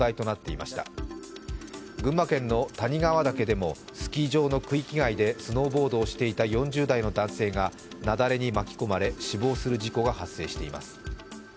また、群馬県の谷川岳でもスキー場の区域外でスノーボードをしていた４０代の男性が雪崩に巻き込まれ死亡する事故が発生しています。